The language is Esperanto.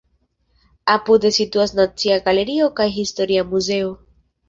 Apude situas Nacia Galerio kaj Historia Muzeo.